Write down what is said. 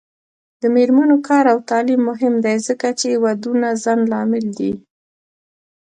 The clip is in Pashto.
د میرمنو کار او تعلیم مهم دی ځکه چې ودونو ځنډ لامل دی.